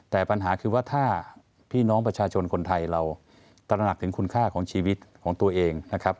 แต่ปัญหาคือว่าถ้าพี่น้องประชาชนคนไทยเราตระหนักถึงคุณค่าของชีวิตของตัวเองนะครับ